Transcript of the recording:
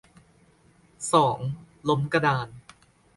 สอง ล้มกระดาน